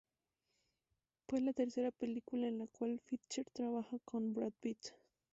Fue la tercera película en la cual Fincher trabaja con Brad Pitt.